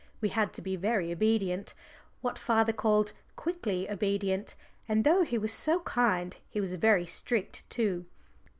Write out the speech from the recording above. We had to be very obedient, what father called "quickly obedient," and though he was so kind he was very strict too.